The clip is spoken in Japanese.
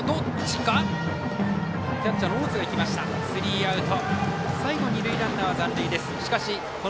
スリーアウト。